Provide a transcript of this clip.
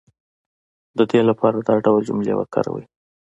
د دې لپاره دا ډول جملې وکاروئ